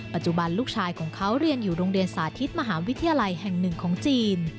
ปัจจุบันลูกชายของเขาเรียนอยู่โรงเรียนสาธิตมหาวิทยาลัยแห่งหนึ่งของจีน